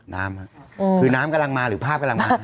น้ำคือน้ำกำลังมาหรือภาพกำลังมา